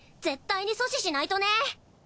絶対に阻止しないとね！